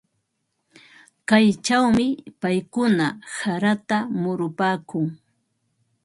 Kaychawmi paykuna harata murupaakun.